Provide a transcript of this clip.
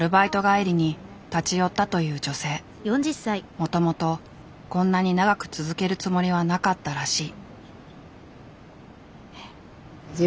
もともとこんなに長く続けるつもりはなかったらしい。